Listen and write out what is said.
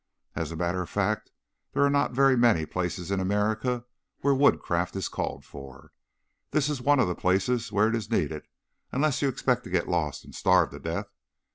And as a matter of fact, there are not very many places in America where woodcraft is called for. This is one of the places where it is needed unless you expect to get lost and starve to death.